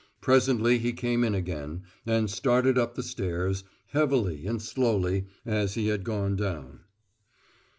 Presently he came in again, and started up the stairs, heavily and slowly, as he had gone down.